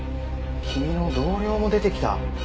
君の同僚も出てきた。